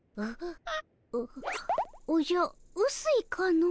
おじゃうすいかの？